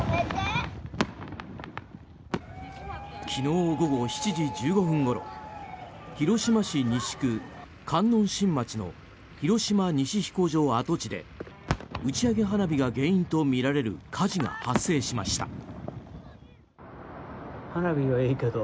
昨日午後７時１５分ごろ広島市西区観音新町の広島西飛行場跡地で打ち上げ花火が原因とみられる火事が発生しました。